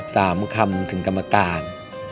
คำถึงกรรมการ